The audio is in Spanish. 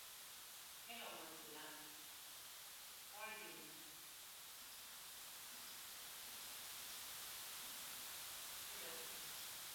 Aquí, históricamente, la presencia humana no ha sido estacional como en las laderas superiores.